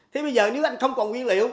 thì bây giờ nếu anh không còn nguyên liệu